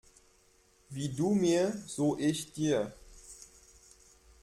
Wie du mir, so ich dir.